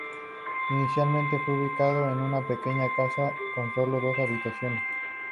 Inicialmente, fue ubicado en una pequeña casa con solo dos habitaciones.